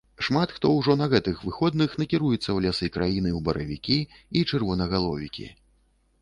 Шмат хто ўжо на гэтых выходных накіруецца ў лясы краіны ў баравікі і чырвонагаловікі.